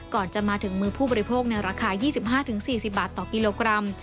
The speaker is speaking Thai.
ก่อนจะมาถึงมือผู้บริโภคในราคา๒๕๔๐บาทต่อกิโลกรัม